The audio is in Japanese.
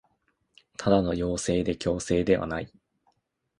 ただの要請で強制ではない